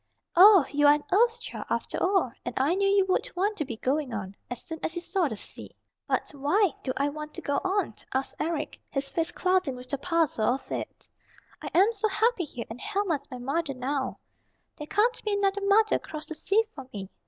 "Oh, you are an Earth Child, after all, and I knew you would want to be going on, as soon as you saw the sea." "But why do I want to go on?" asked Eric, his face clouding with the puzzle of it. "I am so happy here, and Helma is my mother now. There can't be another mother across the sea for me.